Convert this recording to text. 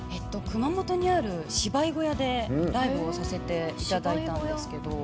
熊本にある芝居小屋でライブをさせていただいたんですけど。